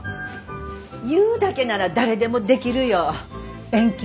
言うだけなら誰でもできるよぅ。